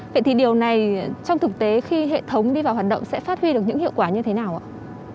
vậy thì điều này trong thực tế khi hệ thống đi vào hoạt động sẽ phát huy được những hiệu quả như thế nào ạ